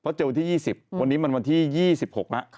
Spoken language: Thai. เพราะเจอวันที่๒๐วันนี้มันวันที่๒๖แล้ว